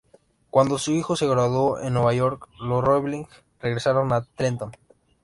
Cuando su hijo se graduó en Nueva York, los Roebling regresaron a Trenton.